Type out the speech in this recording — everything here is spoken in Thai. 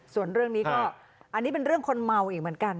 ส่วนเรื่องนี้ก็อันนี้เป็นเรื่องคนเมาอีกเหมือนกัน